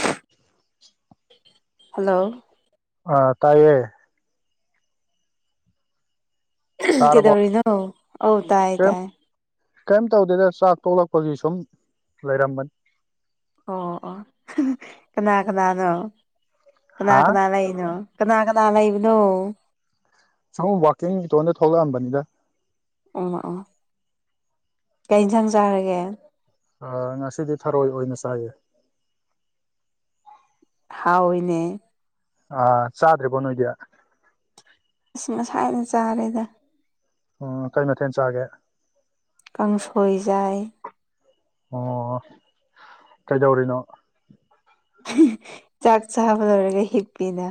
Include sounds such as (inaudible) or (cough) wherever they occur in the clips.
(inaudible) Hello ꯑ ꯇꯥꯏꯌꯦ ꯇꯥꯔꯕꯣ ꯀꯦꯗꯧꯔꯤꯅꯣ ꯑꯧ ꯇꯥꯏ ꯇꯥꯏ ꯀꯔꯤꯝ ꯇꯧꯗꯦꯗ ꯆꯥꯛ ꯇꯣꯛꯂꯛꯄꯒꯤ ꯁꯨꯝ ꯂꯩꯔꯝꯕꯅꯤ ꯑꯣ ꯑꯣ ꯀꯅꯥ ꯀꯅꯥꯅꯣ ꯀꯅꯥ ꯍꯥ ꯀꯅꯥ ꯂꯩꯅꯣ꯫ ꯀꯅꯥ ꯀꯅꯥ ꯂꯩꯕꯗꯣ ꯁꯒꯨꯝ ꯋꯥꯛꯀꯤꯡ ꯏꯇꯣꯟꯗ ꯊꯣꯛꯂꯛꯑꯝꯕꯅꯤꯗ ꯎ ꯑꯣ ꯀꯩ ꯏꯟꯁꯥꯡ ꯆꯥꯔꯒꯦ ꯑ ꯉꯁꯤꯗꯤ ꯊꯔꯣꯏ ꯑꯣꯏꯅ ꯆꯥꯏꯌꯦ ꯍꯥꯎꯏꯅꯦ ꯑꯥ ꯆꯥꯗ꯭ꯔꯤꯕꯣ ꯅꯣꯏꯗꯤ ꯈꯁꯃꯁ ꯍꯥꯏꯅ ꯆꯥꯔꯦꯗ ꯎꯝ ꯀꯩ ꯃꯊꯦꯜ ꯆꯥꯒꯦ ꯀꯥꯡꯪꯁꯣꯏꯖꯥꯏ ꯑꯣ ꯀꯩꯗꯧꯔꯤꯅꯣ ꯆꯥꯛ ꯆꯥꯕ ꯂꯣꯏꯔꯒ ꯍꯤꯛꯄꯤꯅ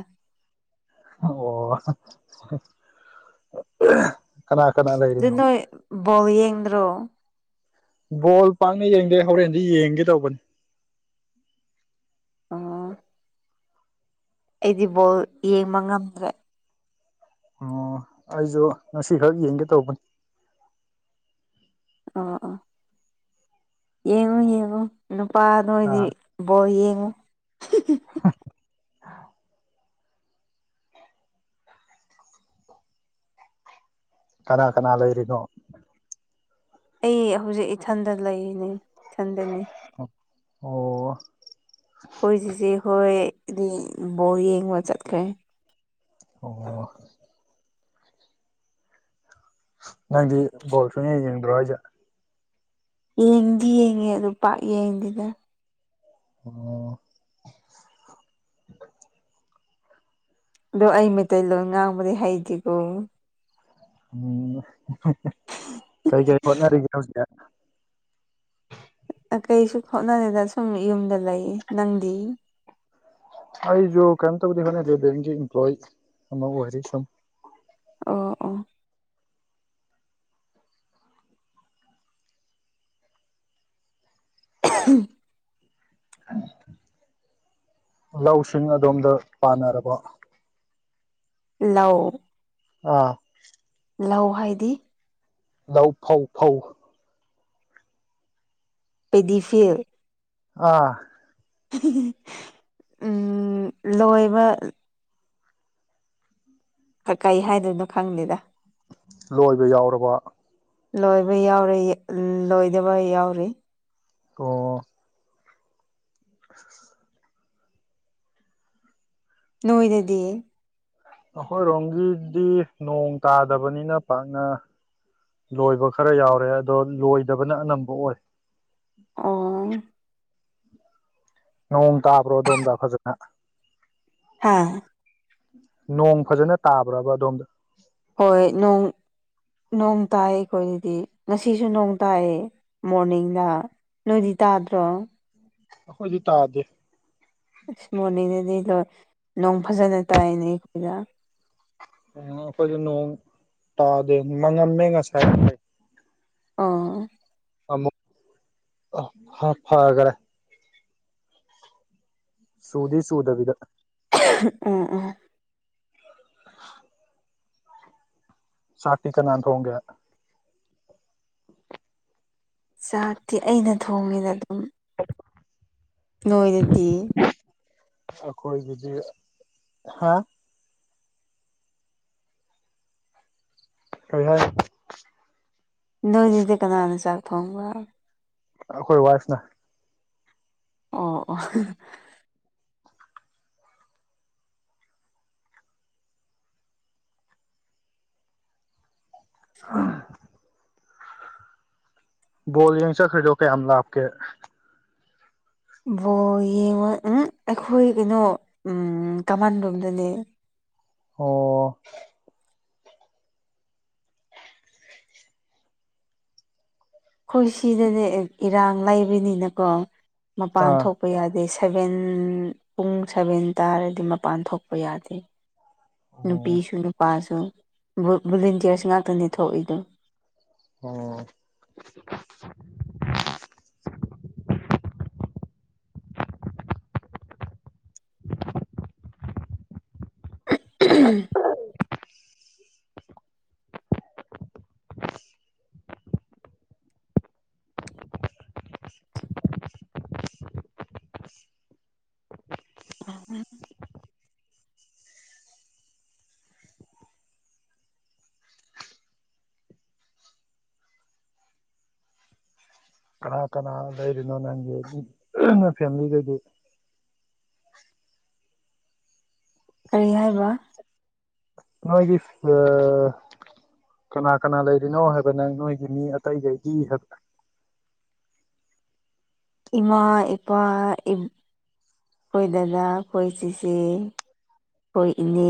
ꯑꯣ ꯀꯅꯥ ꯀꯅꯥ ꯂꯩꯔꯤꯅꯣ ꯣꯌꯦꯟꯗ꯭ꯔ ꯕꯣꯜ ꯄꯥꯛꯅ ꯌꯦꯡꯗꯦ ꯍꯣꯔꯦꯟꯗꯤ ꯌꯦꯡꯒꯦ ꯇꯧꯕꯅꯤ ꯑ ꯑꯩꯗꯤ ꯕꯣꯜ ꯌꯦꯡꯕ ꯉꯝꯗ꯭ꯔꯦ ꯑꯣ ꯑꯩꯁꯨ ꯉꯁꯤꯈꯛ ꯌꯦꯡꯒꯦ ꯇꯧꯕꯅꯤ ꯑꯥ ꯑꯥ ꯌꯦꯡꯉꯨ ꯌꯦꯡꯉꯨ ꯅꯨꯄꯥ ꯅ ꯑꯣꯏꯗꯤ ꯑꯥ ꯕꯣꯜ ꯌꯦꯡꯉꯨ ꯀꯅꯥ ꯀꯅꯥ ꯂꯩꯔꯤꯅꯣ ꯑꯩ ꯍꯧꯖꯤꯛ ꯏꯊꯟꯗ ꯂꯩꯔꯤꯅꯦ ꯏꯊꯟꯗꯅꯤ ꯑꯣ ꯑꯩꯈꯣꯏ ꯆꯤꯆꯦ ꯍꯣꯏꯗꯤ ꯕꯣꯜ ꯌꯦꯡꯕ ꯆꯠꯈ꯭ꯔꯦ ꯑꯣ ꯅꯪꯗꯤ ꯕꯣꯜ ꯁꯨꯡꯌꯦꯡ ꯌꯦꯡꯗꯔꯣ ꯍꯥꯏꯁꯦ ꯌꯦꯡꯗꯤ ꯌꯦꯡꯉꯦ ꯑꯗꯨ ꯄꯥꯛ ꯌꯦꯡꯗꯦꯗ ꯑꯣ ꯑꯗꯣ ꯑꯩ ꯃꯩꯇꯩꯂꯣꯟ ꯉꯥꯡꯕꯗꯤ ꯍꯩꯇꯦꯀꯣ ꯎꯝ ꯀꯩ ꯀꯩ ꯍꯣꯠꯅꯔꯤꯒꯦ ꯍꯧꯖꯤꯛ ꯀꯩꯁꯨ ꯈꯣꯠꯅꯔꯤꯗ ꯁꯨꯝ ꯌꯨꯝꯗ ꯂꯩ ꯅꯪꯗꯤ ꯑꯩꯁꯨ ꯀꯩꯏꯝ ꯇꯕꯨꯗꯤ ꯍꯣꯠꯅꯗꯦ ꯕꯦꯡꯒꯤ ꯏꯝꯄ꯭ꯂꯣꯏ ꯑꯃ ꯑꯣꯏꯔꯤ ꯁꯨꯝ ꯑꯣ ꯑꯣ (unintelligible) ꯂꯧꯁꯤꯡ ꯑꯗꯣꯝꯗ ꯄꯥꯅꯔꯕ ꯂꯧ ꯑꯥ ꯂꯧ ꯍꯥꯏꯗꯤ ꯂ ꯐꯧ ꯐꯧ ꯄꯦꯗꯤꯐ ꯑꯥ ꯎ ꯂꯣꯏꯕ ꯀꯩ ꯍꯥꯏꯗꯣꯏꯅꯣ ꯈꯪꯅꯤꯗ ꯂꯣꯏꯕ ꯌꯥꯎꯔꯕ ꯂꯣꯏꯕ ꯌꯥꯎꯔꯤ ꯂꯣꯏꯗꯕ ꯌꯥꯎꯔꯤ ꯑꯣ ꯅꯣꯏꯗꯗꯤ ꯑꯩꯈꯣꯏꯔꯣꯝꯒꯤꯗꯤ ꯅꯣꯡ ꯇꯥꯗꯕꯅꯤꯅ ꯄꯥꯛꯅ ꯂꯣꯏꯕ ꯈꯔ ꯌꯥꯎꯔꯦ ꯑꯗꯣ ꯂꯣꯏꯗꯕꯅ ꯑꯅꯝꯕ ꯑꯣꯏ ꯑꯣ ꯅꯣꯡ ꯇꯥꯕ꯭ꯔꯣ ꯑꯗꯣꯝꯇ ꯐꯖꯅ ꯍꯥꯥ ꯅꯣꯡ ꯐꯖꯅ ꯇꯥꯕ꯭ꯔꯕ ꯑꯗꯣꯝꯗ ꯍꯣꯏ ꯅꯣꯡ ꯅꯣꯡ ꯇꯥꯏ ꯑꯩꯈꯣꯏꯗꯗꯤ ꯉꯁꯤꯁꯨ ꯅꯣꯡ ꯇꯥꯏꯌꯦ ꯃꯣꯔꯅꯤꯡꯗ ꯅꯣꯏꯗꯤ ꯇꯥꯗ꯭ꯔꯣ ꯑꯩꯈꯣꯏꯗꯤ ꯇꯥꯗꯦ ꯑꯁ ꯃꯣꯔꯅꯤꯡꯗꯗꯤ ꯂꯣꯏ ꯅꯣꯡ ꯐꯖꯅ ꯇꯥꯏꯅꯦ ꯑꯩꯈꯣꯏꯗ ꯎꯝ ꯑꯈꯣꯢꯗꯤ ꯅꯣꯡ ꯇꯥꯗꯦ ꯃꯪ ꯉꯝꯃꯦ ꯉꯁꯥꯏ ꯑꯥ ꯑꯃꯨꯛ ꯍꯥ ꯐꯒꯥꯔꯦ ꯆꯨꯗꯤ ꯆꯨꯗꯕꯤꯗ ꯎꯝ ꯎꯝ ꯆꯥꯛꯇꯤ ꯀꯅꯥꯥ ꯊꯣꯡꯒꯦ ꯆꯥꯛꯇꯤ ꯑꯩꯅ ꯊꯣꯡꯉꯤꯗ ꯑꯗꯨꯝ (inaudible) ꯅꯣꯏ ꯗꯨꯗꯤ ꯑꯩꯈꯣꯏ ꯗꯨꯗꯤ ꯍꯥ ꯀꯩ ꯍꯥꯏꯅꯣ ꯅꯣꯏꯗꯤꯗ ꯀꯅꯥꯅ ꯆꯥꯛ ꯊꯣꯡꯕ ꯑꯩꯈꯣꯏ ꯋꯥꯏꯐꯅ ꯑꯣ ꯑꯣ ꯑ ꯕꯣꯜ ꯌꯦꯡ ꯆꯠꯈꯔꯤꯗꯣ ꯀꯦꯌꯥꯝ ꯂꯥꯞꯀꯦ ꯕꯣꯜ ꯌꯦꯡꯉꯣ ꯎꯝ ꯑꯩꯈꯣꯏ ꯀꯩꯅꯣ ꯀꯃꯥꯟ ꯔꯣꯝꯗꯅꯦ ꯑꯣ ꯑꯩꯈꯣꯏ ꯁꯤꯗꯅꯦ ꯏꯔꯥꯡ ꯂꯩꯕꯅꯤꯅꯀꯣ ꯃꯄꯥꯟ ꯑꯥ ꯊꯣꯛꯄ ꯌꯥꯗꯦ ꯁꯚꯦꯟ ꯄꯨꯡ ꯁꯚꯦꯟ ꯇꯥꯔꯗꯤ ꯃꯄꯥꯟ ꯊꯣꯛꯄ ꯌꯥꯗꯦ ꯑꯣ ꯅꯨꯄꯤꯁꯨ ꯅꯨꯄꯥꯁꯨ ꯚꯣꯂꯟꯇꯤꯌꯥꯔꯁ ꯉꯥꯛꯇꯅꯤ ꯊꯣꯛꯏꯗꯣ ꯑꯣ (inaudible) (inaudible) (inaudible) ꯑ ꯀꯅꯥ ꯀꯅꯥ ꯂꯩꯔꯤꯅꯣ ꯅꯪꯒꯤ ꯅ ꯐꯦꯃꯤꯂꯤꯗꯒꯤ ꯀꯔꯤ ꯍꯥꯏꯕ ꯅꯣꯏꯒꯤ ꯑ ꯀꯅꯥ ꯀꯅꯥ ꯂꯩꯔꯤꯅꯣ ꯍꯥꯏꯕ ꯅꯪ ꯅꯣꯏꯒꯤ ꯃꯤ ꯑꯇꯩꯒꯩꯗꯤ ꯍꯥꯏꯕ ꯏꯃꯥ ꯏꯄꯥ ꯑꯩꯈꯣꯏ ꯗꯗꯥ ꯑꯩꯈꯣꯏ ꯆꯤꯆꯦ ꯑꯩꯈꯣꯏ ꯏꯅꯦ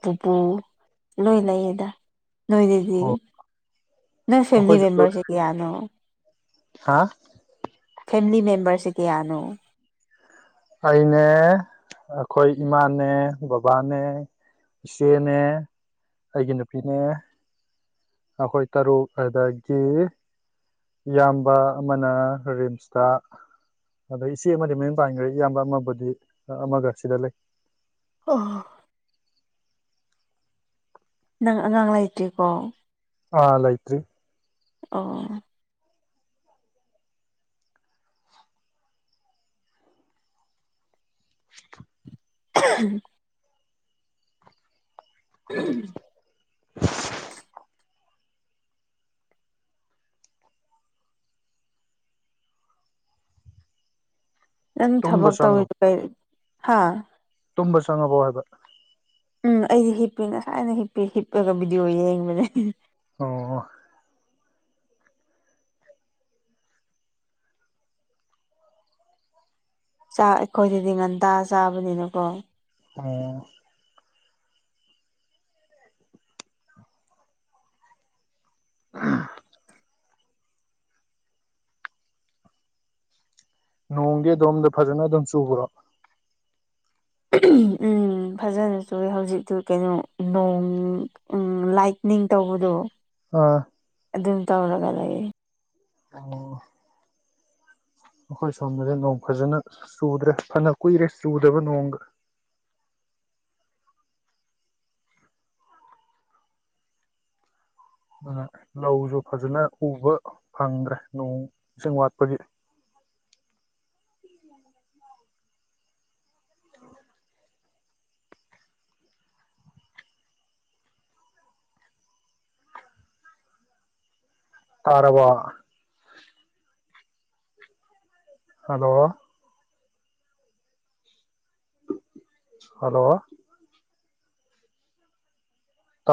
ꯄꯨꯄꯨ ꯂꯣꯏ ꯂꯩꯏꯗ ꯅꯣꯏꯗꯤ ꯑꯣ ꯅꯣꯏ ꯐꯦꯃꯤꯂꯤ ꯑꯩꯈꯣꯏꯁꯨ ꯃꯦꯝꯕꯔꯁꯤ ꯀꯌꯥꯅꯣ ꯍꯥ ꯐꯦꯃꯤꯂꯤ ꯃꯦꯝꯕꯔꯁꯤ ꯀꯌꯥ ꯅꯣ ꯑꯩꯅꯦ ꯑꯩꯈꯣꯏ ꯏꯃꯥꯅꯦ ꯕꯕꯥꯅꯦ ꯏꯆꯦꯅꯦ ꯑꯩꯒꯤ ꯅꯨꯄꯤꯅꯦ ꯑꯩꯈꯣꯏ ꯇꯔꯨꯛ ꯑꯗꯒꯤ ꯏꯌꯥꯝꯕ ꯑꯃꯅ ꯔꯤꯝꯁꯇ ꯑꯗ ꯏꯆꯦ ꯑꯃꯗꯤ ꯃꯌꯨꯝ ꯄꯥꯏꯈ꯭ꯔꯦ ꯏꯌꯥꯝꯕ ꯑꯃꯕꯨꯗꯤ ꯑꯃꯒ ꯁꯤꯗ ꯂꯩ ꯑꯥ ꯅꯪ ꯑꯉꯥꯡ ꯂꯩꯇꯦꯀꯣ ꯑꯥ ꯂꯩꯇꯔꯤ ꯑꯣ (inaudible) (inaudible) (inaudible) ꯅꯪ ꯇꯨꯝꯕ ꯊꯕꯛ ꯆꯪꯉꯕ ꯇꯧꯔꯗꯣ ꯀꯏ ꯍꯥ ꯇꯨꯝꯕ ꯆꯪꯉꯕꯣ ꯍꯥꯏꯕ ꯎꯝ ꯑꯩꯗꯤ ꯍꯤꯞꯄꯤ ꯉꯁꯥꯏꯅ ꯍꯤꯞꯄꯤ ꯍꯤꯞꯄꯒ ꯚꯤꯗꯤꯑꯣ ꯌꯦꯡꯕꯅꯦ ꯑꯣ ꯆꯥꯛ ꯑꯩꯈꯣꯏꯗꯗꯤ ꯉꯟꯇꯥ ꯆꯥꯕꯅꯤꯅꯀꯣ ꯑꯣ ꯑ ꯅꯣꯡꯗꯤ ꯑꯗꯣꯝꯗ ꯐꯖꯅ ꯑꯗꯨꯝ ꯆꯨꯕ꯭ꯔꯣ ꯎ ꯐꯖꯅꯁꯨ ꯍꯧꯖꯤꯛꯇꯨ ꯀꯩꯅꯣ ꯅꯣꯡ ꯂꯥꯏ ꯅꯤꯡꯇꯧꯕꯗꯣ ꯑꯥ ꯑꯗꯨꯝ ꯇꯧꯔꯒ ꯂꯩꯌꯦ ꯑꯣ ꯑꯩꯈꯣꯏ ꯁꯣꯝꯗꯗꯤ ꯅꯣꯡ ꯐꯖꯅ ꯆꯨꯗ꯭ꯔꯦ ꯐꯅ ꯀꯨꯏꯔꯦ ꯆꯨꯗꯕ ꯅꯣꯡꯒ (inaudible) ꯑꯗꯨꯅ ꯂꯧꯁꯨ ꯐꯖꯅ ꯎꯕ ꯐꯪꯗ꯭ꯔꯦ ꯅꯣꯡ ꯏꯁꯤꯡ ꯋꯥꯠꯄꯒꯤ (inaudible) ꯇꯥꯔꯕꫭ ꯍꯜꯂꯣ ꯍꯜꯂꯣ